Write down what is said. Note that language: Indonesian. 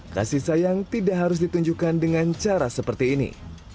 kasih sayang tidak harus ditunjukkan dengan cara seperti ini